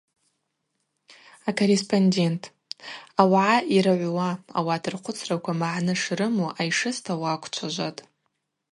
Акорреспондент: Ауагӏа йрыгӏвуа, ауат рхъвыцраква магӏны шрыму айшыста уаквчважватӏ.